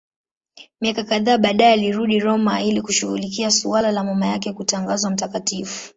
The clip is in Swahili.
Miaka kadhaa baadaye alirudi Roma ili kushughulikia suala la mama yake kutangazwa mtakatifu.